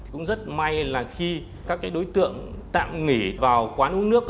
cũng rất may là khi các đối tượng tạm nghỉ vào quán uống nước